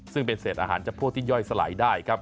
ซึ่งเป็นเศษอาหารจำพวกที่ย่อยสลายได้ครับ